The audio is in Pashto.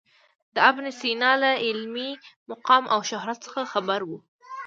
د ابن سینا له علمي مقام او شهرت څخه خبر و.